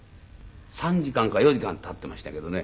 ３時間か４時間経っていましたけどね。